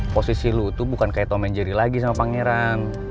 posisi lu tuh bukan kayak tomenjeri lagi sama pangeran